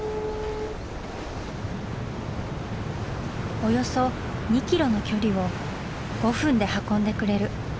およそ２キロの距離を５分で運んでくれる。